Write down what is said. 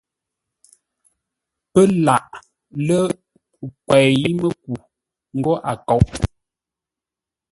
Pə́ laʼ lə́ kwěi-mə́ku ńgó a kóʼ.